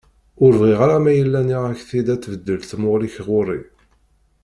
Ur bɣiɣ ara ma yella nniɣ-ak-t-id ad tbeddel tmuɣli-k ɣur-i!